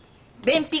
便秘？